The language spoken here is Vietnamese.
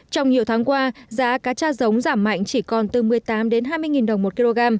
trong nhiều tháng qua giá cá cha giống giảm mạnh chỉ còn từ một mươi tám hai mươi đồng một kg